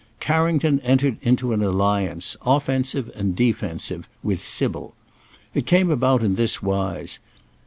Carrington entered into an alliance, offensive and defensive, with Sybil. It came about in this wise.